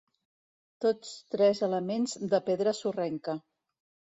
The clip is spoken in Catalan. Tots tres elements de pedra sorrenca.